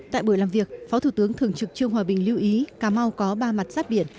tại buổi làm việc phó thủ tướng thường trực trương hòa bình lưu ý cà mau có ba mặt sát biển